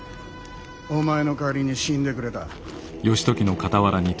お前の代わりに死んでくれた。